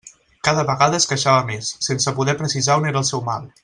Cada vegada es queixava més, sense poder precisar on era el seu mal.